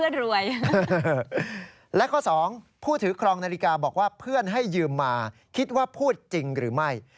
นาฬิกาบอกว่าเพื่อนให้ยืมมาคิดว่าพูดจริงหรือไม่